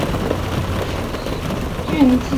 具体参见醛基与羧基。